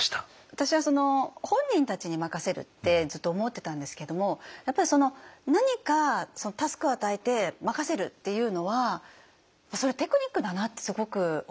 私は本人たちに任せるってずっと思ってたんですけどもやっぱり何かタスクを与えて任せるっていうのはテクニックだなってすごく思いました。